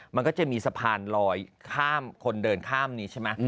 มันก็จะมีสะพานลอยข้ามคนเดินข้ามนี้ใช่ไหม